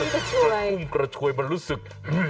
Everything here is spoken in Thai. กระชุ่มกระชุ่มกระชวยมันรู้สึก